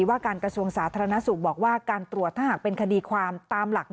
ว่าการกระทรวงสาธารณสุขบอกว่าการตรวจถ้าหากเป็นคดีความตามหลัก